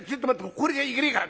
これじゃいけねえから」。